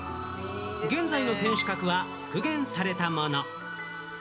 現在の天守閣は復元されたもの。